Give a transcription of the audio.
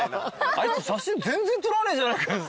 あいつ写真全然撮らねえじゃねえかよって。